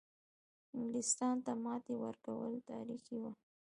انګلیستان ته ماتې ورکول تاریخي وه.